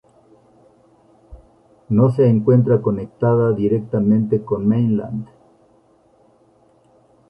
No se encuentra conectada directamente con Mainland.